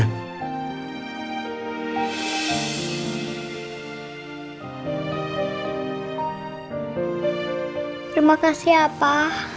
terima kasih ya pak